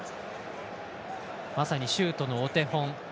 まさにシュートのお手本。